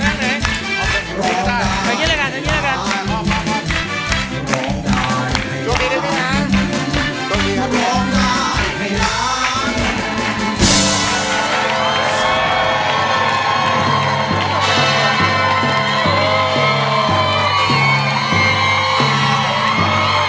ร้องได้ให้รัก